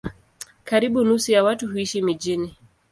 Karibu nusu ya watu huishi mijini.